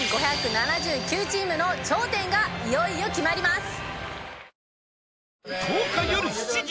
１５７９チームの頂点がいよいよ決まります。